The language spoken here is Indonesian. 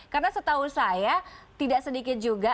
karena setahu saya tidak sedikit juga